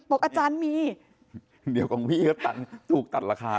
บอกอาจารย์มีเดี๋ยวกับพี่เอื้อตันถูกตัดราคา